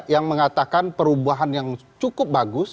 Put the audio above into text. yang mengatakan perubahan yang cukup bagus